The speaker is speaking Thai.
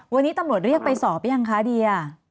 วันนี้ตำรวจเรียกไปสอบหรือยังคะเดีย